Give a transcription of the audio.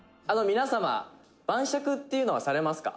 「皆様晩酌っていうのはされますか？」